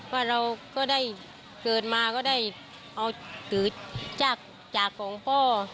ว่าเราก็ได้เกิดมาก็ได้เอาถือจากของพ่อ